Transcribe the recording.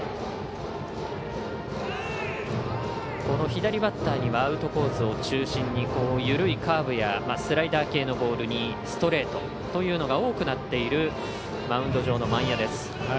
この左バッターにはアウトコースを中心に緩いカーブやスライダー系のボールにストレートというのが多くなっているマウンド上の萬谷。